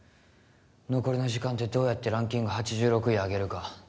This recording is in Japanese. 残りの時間でどうやってランキング８６位上げるか